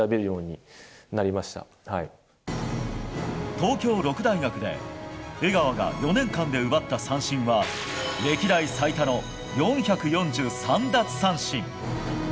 東京六大学で江川が４年間で奪った三振は歴代最多の４４３奪三振。